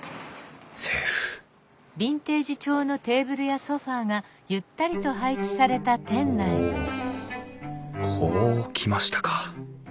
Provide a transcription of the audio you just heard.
セーフおこう来ましたか。